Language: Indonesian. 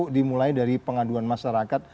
dimulai dari pengaduan masyarakat